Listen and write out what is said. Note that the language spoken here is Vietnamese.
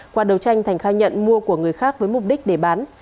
qua đầu tranh thành khai nhận mua của người khác với mục đích để bán